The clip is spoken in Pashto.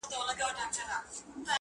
اوبه کړی مو په وینو دی ګلشن خپل؛